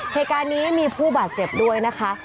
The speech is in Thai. เหตุการณ์นี้มีผู้บาดเจ็บด้วยนะคะ